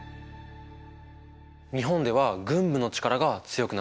日本では軍部の力が強くなった。